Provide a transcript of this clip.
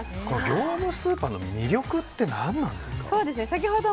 業務スーパーの魅力って何なんですか。